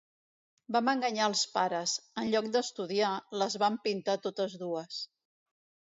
Vam enganyar els pares; en lloc d'estudiar, les vam pintar totes dues.